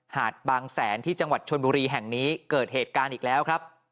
หาดบางแสนที่จังหวัดชนบุรีแห่งนี้เกิดเหตุการณ์อีกแล้วครับ